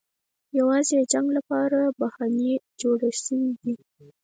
یوازې د جنګ لپاره بهانې جوړې شوې دي.